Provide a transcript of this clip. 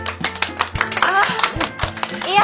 あいや